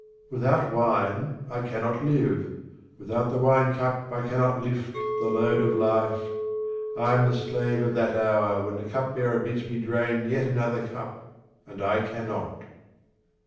Without wine I cannot live. Without the wine cup I cannot lift the load of life. I am the slave of that hour when the cupbearer bids me drain yet another cup and I cannot.